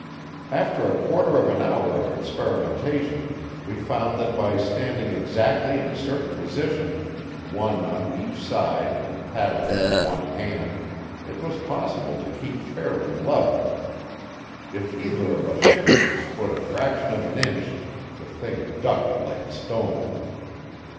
After a quarter of an hour of experimentation we found that by standing exactly in a certain position, one on each side and paddling with one hand, it was possible to keep fairly level. If either of us shifted his foot a fraction of an inch the thing ducked like a stone.